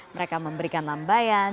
mereka memberikan lambayan